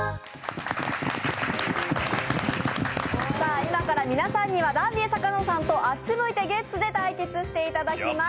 今から皆さんにはダンディ坂野さんと「あっち向いてゲッツ」で対決していただきます。